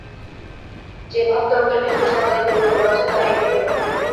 যে ভাব-তরঙ্গের পিছনে সর্বাধিক চরিত্রবল আছে, তাহাই এইরূপ করিয়া থাকে।